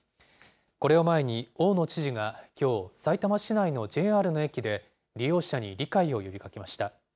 これを前に大野知事がきょう、さいたま市内のＪＲの駅で、利用者に理解を呼びかけました。